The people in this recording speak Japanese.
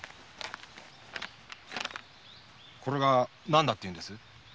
これが何だっていうんです？